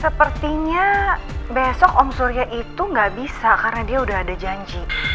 sepertinya besok om surya itu nggak bisa karena dia udah ada janji